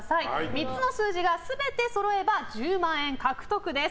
３つの数字が全てそろえば１０万円獲得です。